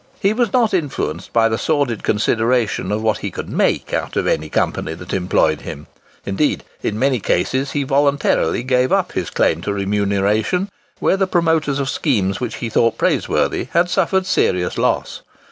He was not influenced by the sordid consideration of what he could make out of any company that employed him; indeed, in many cases he voluntarily gave up his claim to remuneration where the promoters of schemes which he thought praiseworthy had suffered serious loss.